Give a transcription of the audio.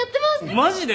マジで！？